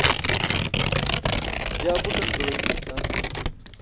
jaa buṭan duroin bican